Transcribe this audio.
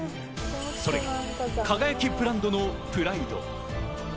それが輝ブランドのプライド。